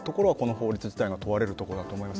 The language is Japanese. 法律自体問われるところだと思います。